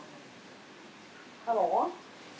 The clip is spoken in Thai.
ฮัลโหล